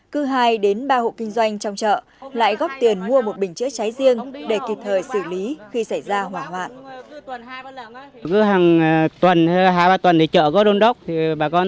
cứ hai đến ba hộ kinh doanh trong chợ lại góp tiền mua một bình chữa cháy riêng để kịp thời xử lý khi xảy ra hỏa hoạn